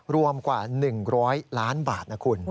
รวมกว่า๑๐๐ล้านบาทนะคุณ